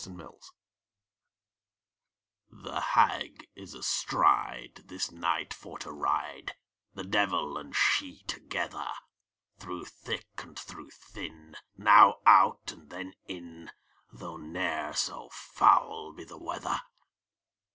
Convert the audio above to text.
THE HAG The Hag is astride, This night for to ride, The devil and she together; Through thick and through thin, Now out, and then in, Though ne'er so foul be the weather.